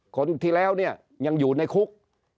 คนที่แล้วเนี่ยยังอยู่ในคุก